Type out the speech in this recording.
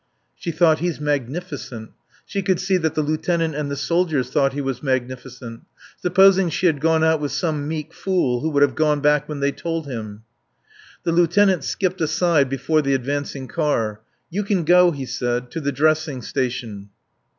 She thought: He's magnificent. She could see that the lieutenant and the soldiers thought he was magnificent. Supposing she had gone out with some meek fool who would have gone back when they told him! The lieutenant skipped aside before the advancing car. "You can go," he said, "to the dressing station."